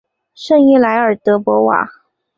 圣伊莱尔德博瓦。